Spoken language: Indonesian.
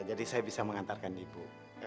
jadi saya bisa mengantarkan ibu